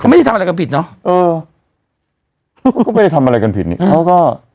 ไม่ได้ทำอะไรกันผิดเนอะเออเขาก็ไม่ได้ทำอะไรกันผิดนี่เขาก็